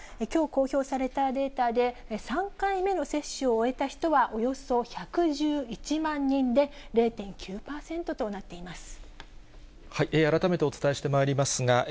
きょう公表されたデータで、３回目の接種を終えた人はおよそ１１１万人で、改めてお伝えしてまいりますが、